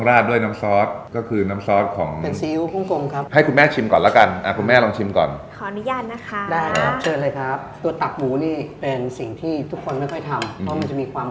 เริ่มถูกต้องแล้วครับจริงตัวนี้เป็นตัวที่ต้องทานก่อนอยู่แล้ว